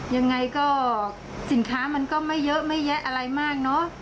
ยังไงก็สินค้ามันก็ไม่เยอะไม่แยะอะไรมากเนอะ